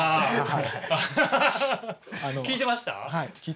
はい聞いてました。